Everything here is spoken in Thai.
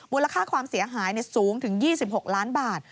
ค่าความเสียหายสูงถึง๒๖ล้านบาท